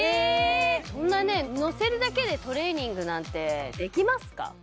そんなね乗せるだけでトレーニングなんてできますか？